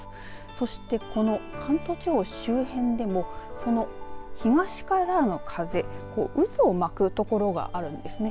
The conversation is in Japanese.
そしてこの関東地方周辺でもその東からの風渦を巻くところがあるんです。